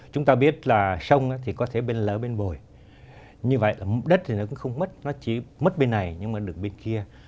chúng ta biết là sông thì có thể bên lỡ bên bồi như vậy đất thì nó cũng không mất nó chỉ mất bên này nhưng mà được bên kia